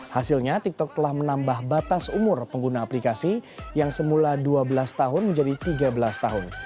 hasilnya tiktok telah menambah batas umur pengguna aplikasi yang semula dua belas tahun menjadi tiga belas tahun